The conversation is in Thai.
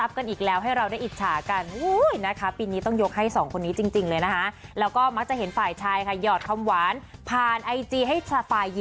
พี่เวียสุโกะละวัดและก็เบลร้าราหนี